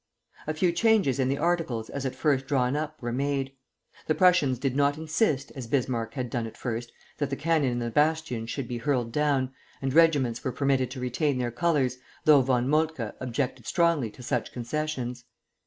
A few changes in the articles as at first drawn up were made. The Prussians did not insist, as Bismarck had done at first, that the cannon in the bastions should be hurled down, and regiments were permitted to retain their colors, though Von Moltke objected strongly to such concessions.